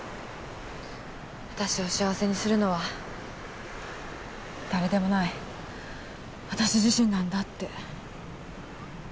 私を幸せにするのは誰でもない私自身なんだって。